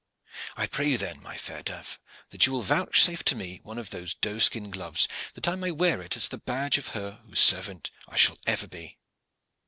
I pray you then my fair dove, that you will vouchsafe to me one of those doeskin gloves, that I may wear it as the badge of her whose servant I shall ever be."